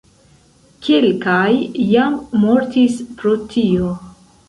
Kelkaj jam mortis pro tio.